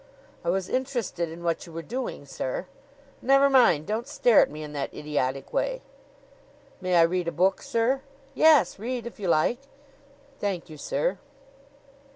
"I was interested in what you were doing, sir." "Never mind! Don't stare at me in that idiotic way." "May I read a book, sir?" "Yes, read if you like." "Thank you, sir."